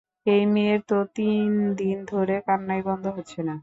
এই মেয়ের তো তিন দিন ধরে কান্নাই বন্ধ হচ্ছে না।